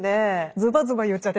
ズバズバ言っちゃって。